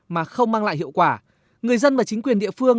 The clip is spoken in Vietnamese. mà không mang lại hiệu quả người dân và chính quyền địa phương